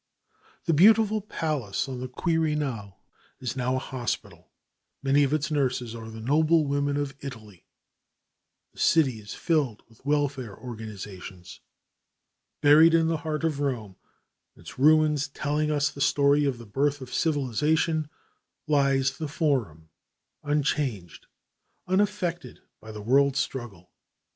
The beautiful Palace on the Quirinal is now a hospital. Many of its nurses are the noble women of Italy. The city is filled with welfare organizations. Buried in the heart of Rome, its ruins telling us the story of the birth of civilization, lies the Forum, unchanged, unaffected by the world struggle.